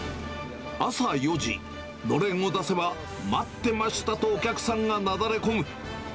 朝４時、のれんを出せば、待ってましたと、お客さんがなだれ込む。